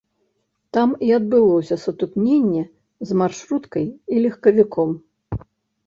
Там і адбылося сутыкненне з маршруткай і легкавіком.